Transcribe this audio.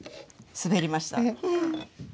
滑りました。